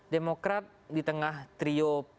demokrat di tengah trio